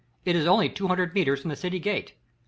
"It is only two hundred metres from the city gate.